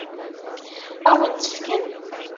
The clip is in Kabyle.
Ad wen-tt-fken?